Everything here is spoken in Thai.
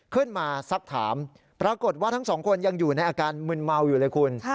สักถามปรากฏว่าทั้งสองคนยังอยู่ในอาการมึนเมาอยู่เลยคุณ